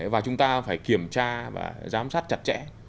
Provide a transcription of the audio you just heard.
và chúng ta phải kiểm tra và giám sát chặt chẽ